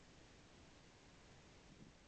Wao ni wasichana.